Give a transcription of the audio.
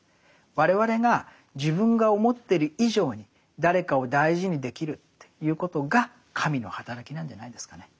我々が自分が思ってる以上に誰かを大事にできるということが神のはたらきなんじゃないですかね。